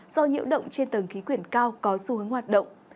do nhiễu động trên tầng khí quyển cao có xu hướng hoạt động